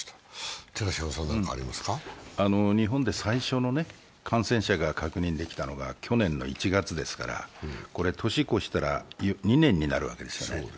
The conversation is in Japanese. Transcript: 日本で最初の感染者が確認できたのが去年の１月ですからこれ年を越したら２年になるわけですね。